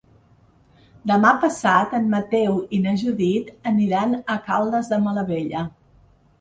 Demà passat en Mateu i na Judit aniran a Caldes de Malavella.